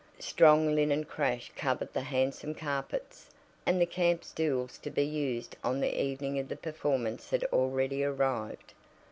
Strong linen crash covered the handsome carpets, and the camp stools to be used on the evening of the performance had already arrived.